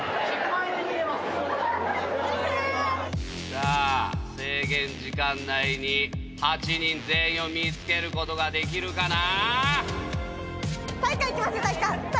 さあ制限時間内に８人全員を見つけることができるかな？